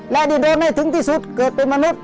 และที่เดินให้ถึงที่สุดเกิดเป็นมนุษย